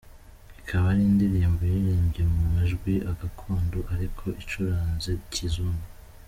Ikaba ari indirimbo iririmbye mu majwi gakondo, ariko icuranze kizungu”.